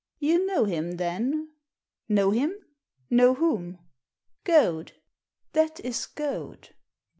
" You know him then ?"" Know him ? Know whom ?"« Goad. That is Goad."